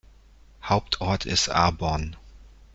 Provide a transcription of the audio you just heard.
Hauptort ist Arbon.